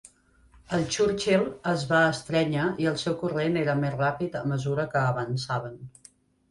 El Churchill es va estrènyer i el seu corrent era més ràpid a mesura que avançaven.